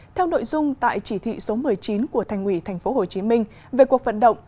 theo nội dung tại chỉ thị số một mươi chín của thành ủy tp hcm về cuộc vận động